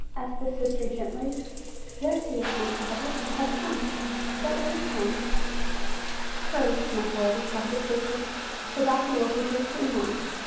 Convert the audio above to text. said the sister gently. "Yes, he is my father; I have come. What ails him?" "Courage, my boy," replied the sister; "the doctor will be here soon now."